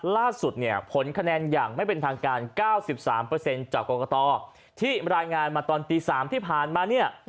ล่าสุดเนี่ยผลคะแนนอย่างไม่เป็นทางการ๙๓จากกรกตที่รายงานมาตอนตี๓ที่ผ่านมาเนี่ย